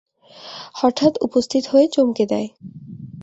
হঠাৎ উপস্থিত হয়ে চমকে দেয়।